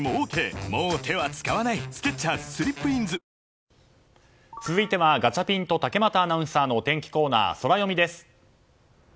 へぇ続いてはガチャピンと竹俣アナウンサーのお天気コーナー、ソラよみです。